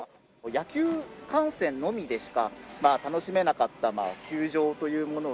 野球観戦のみでしか楽しめなかった球場というものをですね